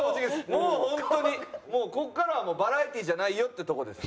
もう本当にここからはバラエティーじゃないよってとこです。